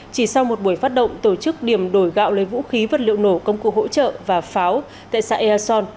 chỉ sau một buổi phát động tổ chức điểm đồi gạo lấy vũ khí vật liệu nổ công cụ hỗ trợ và pháo tại xe a son